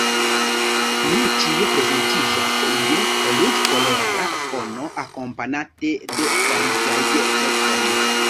Nun ĉio prezentiĝas je ruĝkolora fono, akompanate de klarigaj tekstoj.